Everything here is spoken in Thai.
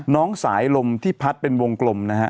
น้องสายลมที่พัดเป็นวงกลมนะฮะ